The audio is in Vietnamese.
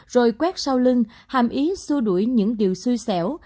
rồi quét sau lưng hàm ý xua đuổi những điều xui xẻo